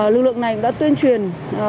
lực lượng này đã tuyên truyền